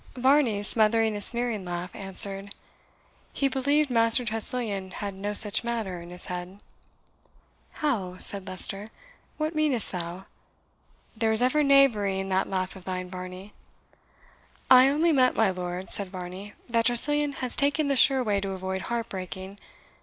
Varney, smothering a sneering laugh, answered, "He believed Master Tressilian had no such matter in his head." "How!" said Leicester; "what meanest thou? There is ever knavery in that laugh of thine, Varney." "I only meant, my lord," said Varney, "that Tressilian has taken the sure way to avoid heart breaking.